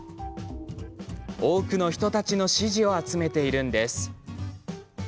多くの人たちの支持を集めているんです。